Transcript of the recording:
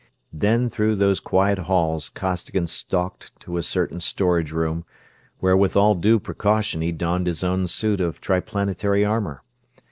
Then through those quiet halls Costigan stalked to a certain storage room, where with all due precaution he donned his own suit of Triplanetary armor.